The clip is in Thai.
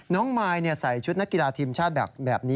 มายใส่ชุดนักกีฬาทีมชาติแบบนี้